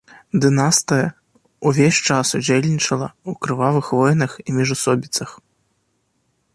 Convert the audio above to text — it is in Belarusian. Дынастыя ўвесь час ўдзельнічала ў крывавых войнах і міжусобіцах.